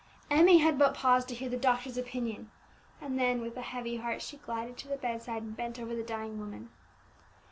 Emmie had but paused to hear the doctor's opinion, and then, with a heavy heart, she glided to the bedside and bent over the dying woman.